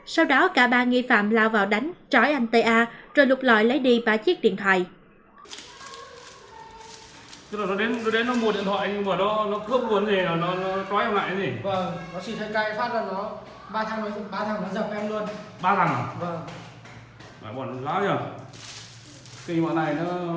sau đó cả ba nghi phạm lao vào đánh trói anh t a rồi lục lọi lấy đi ba chiếc điện thoại